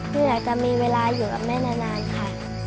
เพื่ออยากจะมีเวลาอยู่กับแม่นานค่ะ